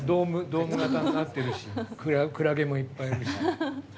ドーム型になってるしクラゲもいっぱいいるし。